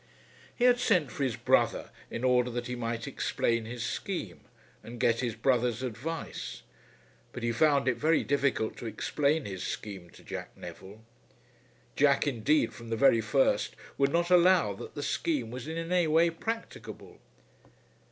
He had sent for his brother in order that he might explain his scheme and get his brother's advice; but he found it very difficult to explain his scheme to Jack Neville. Jack, indeed, from the very first would not allow that the scheme was in any way practicable.